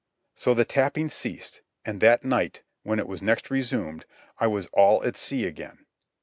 So the tapping ceased, and that night, when it was next resumed, I was all at sea again.